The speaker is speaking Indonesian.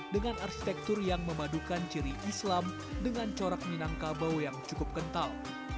dengan arsitektur yang memadukan ciri islam dengan corak minangkabau yang cukup kental